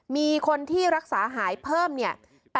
มีคนที่รักษาหายเพิ่มเนี่ย